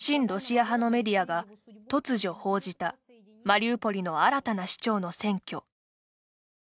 ２週間前、親ロシア派のメディアが突如報じたマリウポリの新たな市長の選挙。